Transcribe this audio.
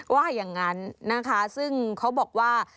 ว่าอย่างนั้นนะคะซึ่งเขาบอกว่า